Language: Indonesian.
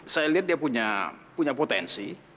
saya lihat dia punya potensi